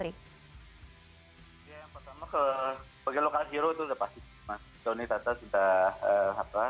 ya yang pertama sebagai lokal zero itu sudah pasti mas doni tata sudah apa